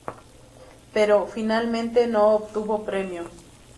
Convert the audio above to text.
Pero, finalmente, no obtuvo premio.